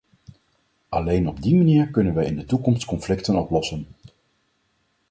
Alleen op die manier kunnen we in de toekomst conflicten oplossen.